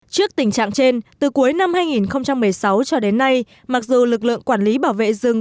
trước tình trạng trên từ cuối năm hai nghìn một mươi sáu cho đến nay mặc dù lực lượng quản lý bảo vệ rừng